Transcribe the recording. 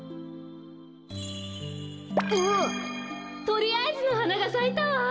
とりあえずのはながさいたわ！